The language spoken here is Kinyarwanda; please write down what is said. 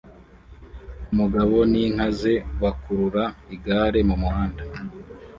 Umugabo n'inka ze bakurura igare mumuhanda